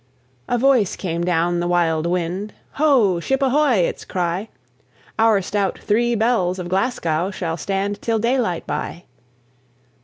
A voice came down the wild wind, "Ho! ship ahoy!" its cry: "Our stout Three Bells of Glasgow Shall stand till daylight by!"